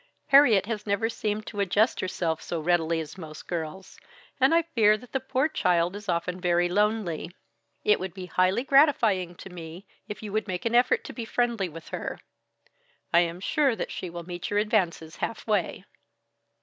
Harriet has never seemed to adjust herself so readily as most girls; and I fear that the poor child is often very lonely. It would be highly gratifying to me if you would make an effort to be friendly with her. I am sure that she will meet your advances half way."